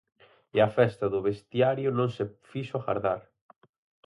E a festa do vestiario non se fixo agardar.